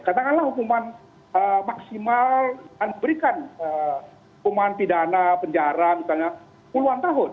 katakanlah hukuman maksimal dan diberikan hukuman pidana penjara misalnya puluhan tahun